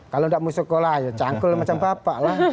kalau nggak mau sekolah canggul macam bapak lah